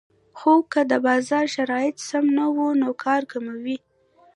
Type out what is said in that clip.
خو که د بازار شرایط سم نه وو نو کار کموي